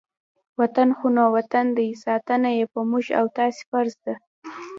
وطن خو نو وطن دی، ساتنه یې په موږ او تاسې فرض ده.